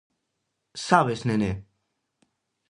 Sabes, Nené?